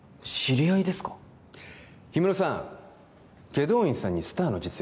祁答院さんにスターの実力